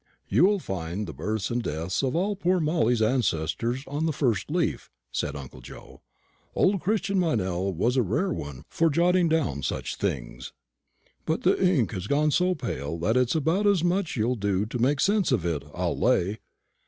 "You'll find the births and deaths of all poor Molly's ancestors on the first leaf," said uncle Joe. "Old Christian Meynell was a rare one for jotting down such things; but the ink has gone so pale that it's about as much as you'll do to make sense of it, I'll lay."